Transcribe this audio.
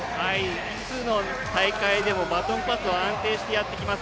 いつの大会でもバトンパスを安定してやってきます。